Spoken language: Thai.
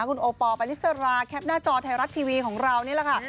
คุณโอปอลปานิสราแคปหน้าจอไทยรัฐทีวีของเรานี่แหละค่ะ